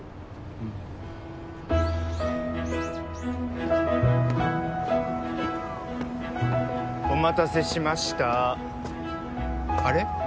うんお待たせしましたーあれ？